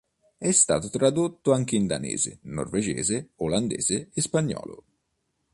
È stato tradotto anche in danese, norvegese, olandese e spagnolo.